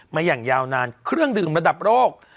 อย่างยาวนานเครื่องดื่มระดับโลก